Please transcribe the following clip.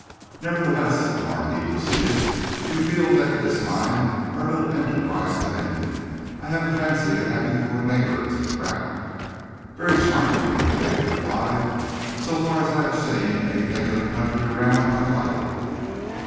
"Nevertheless," the Marquis proceeded, "we feel that it is time our little enterprise was ended. I have a fancy to have you for a neighbour, Mr. Pratt." "Very charming of you," Jacob replied. "So far as I have seen anything of the country around, I like it."